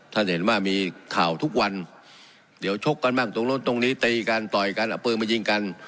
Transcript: ท่านเห็นว่ามีข่าวทุกวันเดี๋ยวชกกันบ้างตรงนู้นตรงนี้ตีกันต่อยกันเอาปืนมายิงกัน